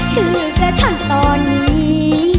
ชื่อพระฉันตอนนี้